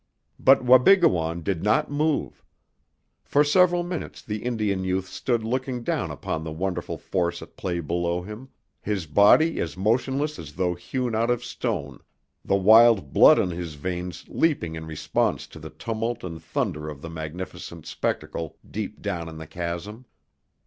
But Wabigoon did not move. For several minutes the Indian youth stood looking down upon the wonderful force at play below him, his body as motionless as though hewn out of stone, the wild blood in his veins leaping in response to the tumult and thunder of the magnificent spectacle deep down in the chasm.